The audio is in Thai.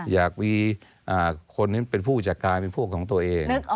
อยากมีคนนั้นเป็นผู้จัดการเป็นพวกของตัวเอง